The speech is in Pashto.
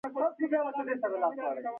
هغې د صمیمي شعله په اړه خوږه موسکا هم وکړه.